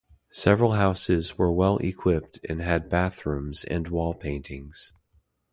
Several houses were well equipped and had bath rooms and wall paintings.